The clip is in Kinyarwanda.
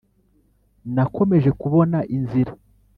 nakomeje kubona inzira,